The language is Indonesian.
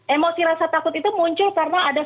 emosi rasa takut itu muncul karena ada